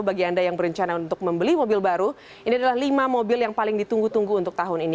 bagi anda yang berencana untuk membeli mobil baru ini adalah lima mobil yang paling ditunggu tunggu untuk tahun ini